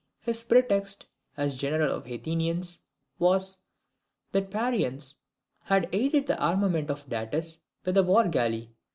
His pretext, as general of the Athenians, was, that the Parians had aided the armament of Datis with a war galley.